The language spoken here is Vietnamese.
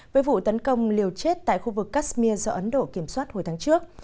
với vụ tấn công liều chết tại khu vực kashmir do ấn độ kiểm soát hồi tháng trước